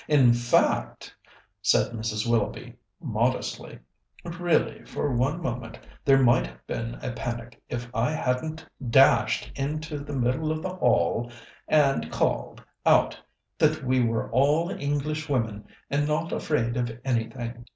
In fact," said Mrs. Willoughby modestly, "really, for one moment there might have been a panic, if I hadn't dashed into the middle of the hall and called out that we were all Englishwomen and not afraid of anything.